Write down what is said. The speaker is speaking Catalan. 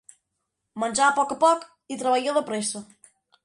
Menjar a poc a poc i treballar de pressa.